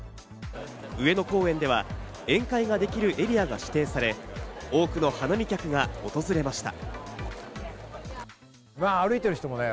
上野公園では宴会ができるエリアが指定され、多くの花見客が訪れました。